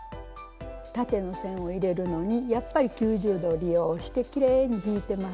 縦の線を入れるのにやっぱり９０度を利用してきれいに引いてます。